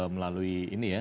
melalui ini ya